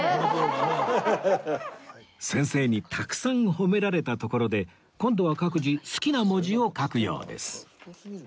先生にたくさん褒められたところで今度は各自好きな文字を書くようです